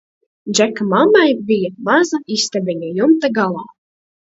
Džeka mammai bija maza istabiņa jumta galā.